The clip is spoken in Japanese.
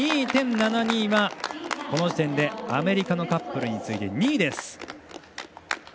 ８２．７２はこの時点でアメリカのカップルに次いで２位。